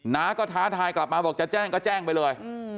น้าก็ท้าทายกลับมาบอกจะแจ้งก็แจ้งไปเลย